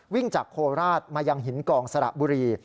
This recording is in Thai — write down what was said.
วิ่งจากโคราชมายังหินกองสระบุรี